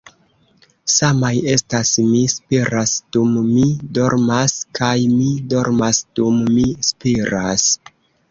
Samaj estas 'Mi spiras dum mi dormas' kaj 'Mi dormas dum mi spiras.'"